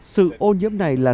sự ô nhiễm này là